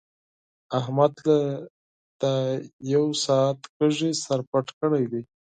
احمد له دا يو ساعت کېږي سر پټ کړی دی.